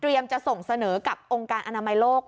จะส่งเสนอกับองค์การอนามัยโลก